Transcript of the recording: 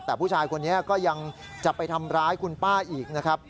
แต่ผู้ชายคนนี้ก็ยังจะไปทำร้ายคุณป้าอีกนะครับ